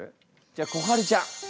じゃあこはるちゃん。